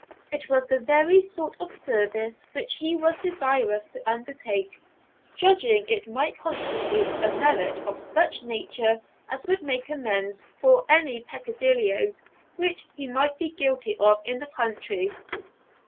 It was the very sort of service which he was desirous to undertake, judging it might constitute a merit of such a nature as would make amends for any peccadilloes which he might be guilty of in the country.